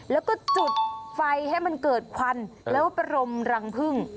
แล้วก็จุดไฟให้มันเกิดควันแล้วพรมรังพึ่ง